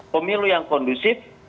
pemilu yang kondusif